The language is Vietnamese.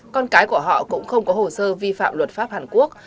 con cái của họ cũng không có hồ sơ vi phạm luật pháp hàn quốc